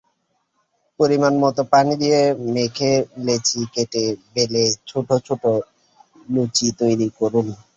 পরিমাণমতো পানি দিয়ে মেখে লেচি কেটে বেলে ছোট ছোট লুচি তৈরি করুন।